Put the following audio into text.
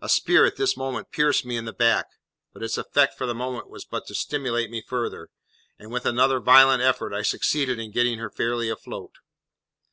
A spear at this instant pierced me in the back; but its effect for the moment was but to stimulate me further, and with another violent effort I succeeded in getting her fairly afloat.